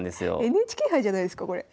ＮＨＫ杯じゃないですかこれ。